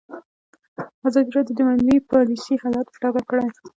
ازادي راډیو د مالي پالیسي حالت په ډاګه کړی.